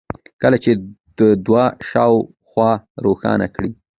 كله چي د ده شا و خوا روښانه كړي